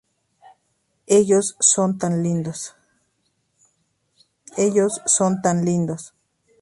Ellos son tan lindos.